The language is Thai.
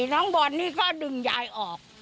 น้องบอลนี่ก็ดึงยายออก